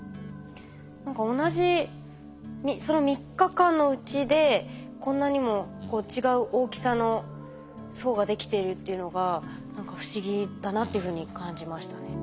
何か同じその３日間のうちでこんなにも違う大きさの層ができているっていうのが何か不思議だなっていうふうに感じましたね。